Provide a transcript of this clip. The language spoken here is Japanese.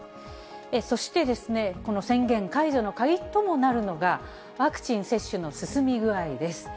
そして、この宣言解除の鍵ともなるのが、ワクチン接種の進み具合です。